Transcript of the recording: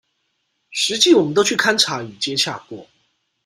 實際我們都去勘查與接洽過